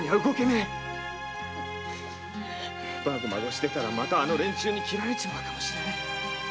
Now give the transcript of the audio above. マゴマゴしてたらまたあの連中に切られるかもしれねぇ。